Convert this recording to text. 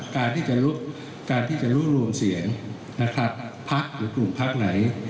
การที่จะรุกการที่จะรุ่นรวมเสียงนะครับภักดิ์หรือกลุ่มภักดิ์ไหน